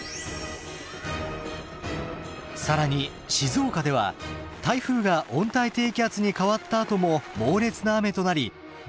更に静岡では台風が温帯低気圧に変わったあとも猛烈な雨となり甚大な被害をもたらしました。